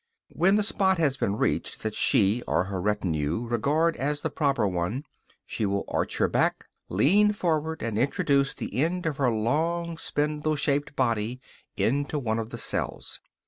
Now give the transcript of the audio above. When the spot has been reached that she, or her retinue, regard as the proper one, she will arch her back, lean forward, and introduce the end of her long spindle shaped body into one of the cells.